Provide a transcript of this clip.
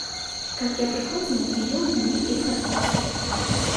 Каб я прыходзіла і ён мне іх аддасць.